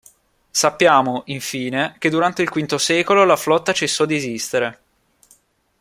Sappiamo, infine, che durante il V secolo la flotta cessò di esistere.